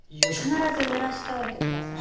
必ずぬらしておいて下さいね。